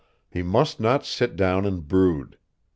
He must not sit down and brood.